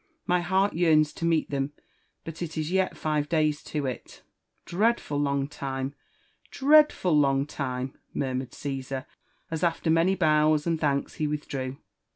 My heart yearns to meet them ; but it is yet five days to it." ''Dreadful long time ! dreadful long time !'' murmured Caesar as, after many bows and thanks, he withdrew.